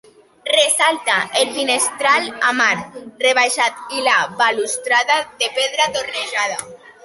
Ressalta el finestral amb arc rebaixat i la balustrada de pedra tornejada.